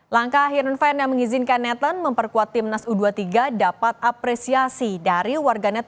langkah heerenveen yang mengizinkan nathan memperkuat tim nas u dua puluh tiga dapat apresiasi dari warganet pssi